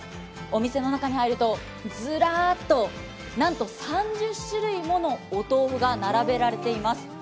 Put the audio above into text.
お店の中に入ると、ズラーッとなんと３０種類ものお豆腐が並べられています。